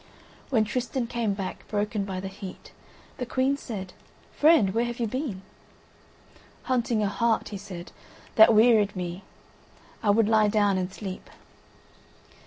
When Tristan came back, broken by the heat, the Queen said "Friend, where have you been?" "Hunting a hart," he said, "that wearied me. I would lie down and sleep."